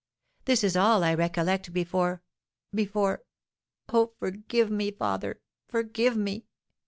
This is all I recollect before before Oh, forgive me, father, forgive me!